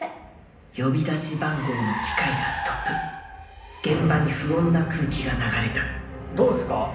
呼び出し番号の機械がストップ現場に不穏な空気が流れたどうですか？